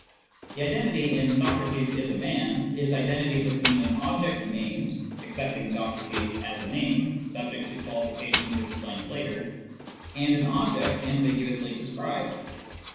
The identity in " Socrates is a man " is identity between an object named (accepting " Socrates " as a name, subject to qualifications explained later) and an object ambiguously described.